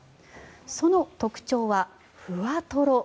その特徴は、ふわとろ。